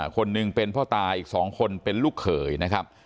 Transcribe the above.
คนหนึ่งเป็นพ่อตาอีก๒คนเป็นลูกเขยนะครับ